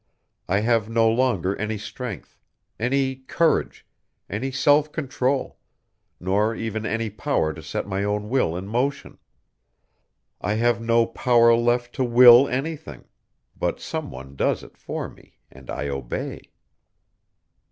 I have no longer any strength, any courage, any self control, nor even any power to set my own will in motion. I have no power left to will anything, but some one does it for me and I obey.